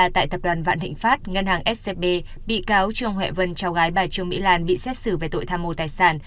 trong hệ vân cháu gái bà trương mỹ lan bị xét xử về tội tham mô tài sản